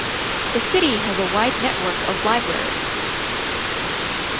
The city has a wide network of libraries.